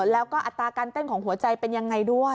แล้วก็อัตราการเต้นของหัวใจเป็นยังไงด้วย